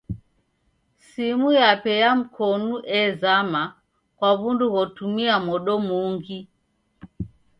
Simu yape ya mkonu ezama kwa w'undu ghotumia modo mungi.